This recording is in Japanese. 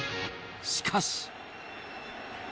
しかし。